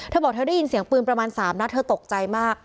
เธอบอกเธอได้ยินเสียงปืนประมาณ๓นัดเธอตกใจมาก